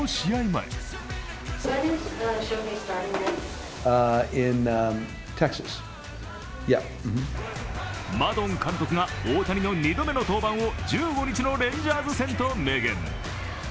前マドン監督が大谷の２度目の登板を１５日のレンジャーズ戦と明言。